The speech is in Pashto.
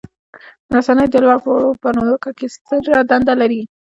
رسنۍ د لوړ پوړو په نیوکو کې ستره دنده لري.